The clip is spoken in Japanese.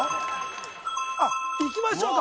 あっいきましょうか。